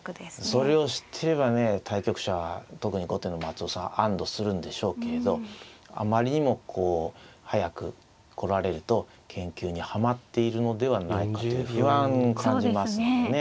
それを知ってればね対局者は特に後手の松尾さん安堵するんでしょうけれどあまりにもこう速く来られると研究にはまっているのではないかという不安を感じますのでね